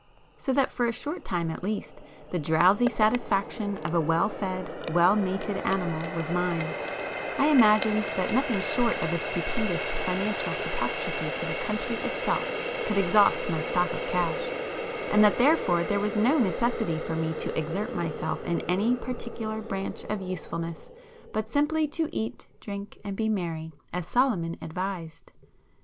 So that for a short time at least, the drowsy satisfaction of a well fed, well mated animal was mine,—I imagined that nothing short of a stupendous financial catastrophe to the country itself could exhaust my stock of cash,—and that therefore there was no necessity for me to exert myself in any particular branch of usefulness, but simply to 'eat drink and be merry' as Solomon advised.